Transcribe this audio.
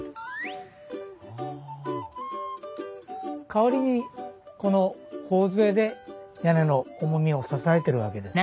代わりにこの頬杖で屋根の重みを支えてるわけです。